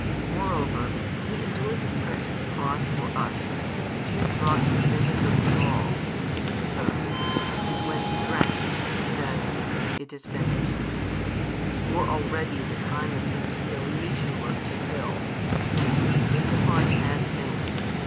Moreover, when He endured the precious cross for us, the Jews brought Him vinegar and gall when He was athirst, and when He drank, He said, It is finished. For already the time of His humiliation was fulfilled, and He was crucified as man.